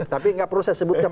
tapi nggak perlu saya sebutkan